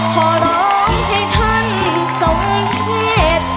ขอร้องให้ท่านสมเขต